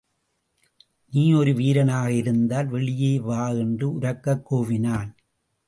நீ ஒரு வீரனாக இருந்தால் வெளியே வா என்று உரக்கக் கூவினான்.